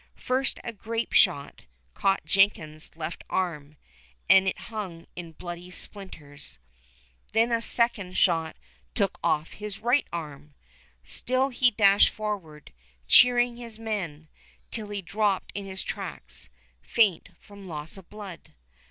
First a grapeshot caught Jenkins' left arm, and it hung in bloody splinters. Then a second shot took off his right arm. Still he dashed forward, cheering his men, till he dropped in his tracks, faint from loss of blood.